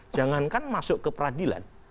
jangankan masuk ke peradilan